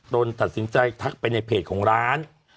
ตัดสินใจทักไปในเพจของร้าน